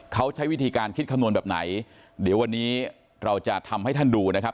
เขาใช้วิธีการคิดคำนวณแบบไหนเดี๋ยววันนี้เราจะทำให้ท่านดูนะครับ